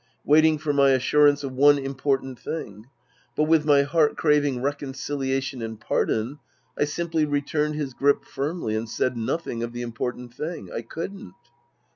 Waiting for my assurance of one im portant thing. But with my heart craving reconcilia tion and pardon, I simply returned his grip firmly and said nothing of the important thing. I couldn't.